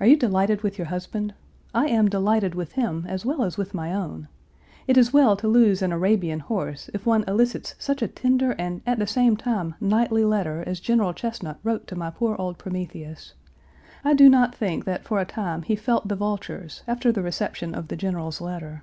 "Are you delighted with your husband? I am delighted with him as well as with my own. It is well to lose an Arabian horse if one elicits such a tender and at the same time knightly letter as General Chesnut wrote to my poor old Prometheus. I do not think that for a time he felt the vultures after the reception of the General's letter.